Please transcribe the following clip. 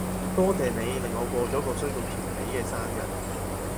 多謝你令我過咗個衰到貼地嘅生日